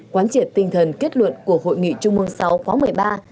quán triệt tinh thần kết luận của hội nghị trung mương sáu khóa một mươi ba